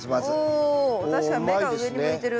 お確かに芽が上に向いてる。